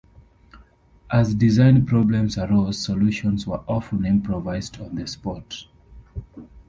As design problems arose, solutions were often improvised on the spot.